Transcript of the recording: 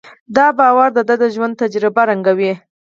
دا باور د ده د ژوند تجربه رنګوي.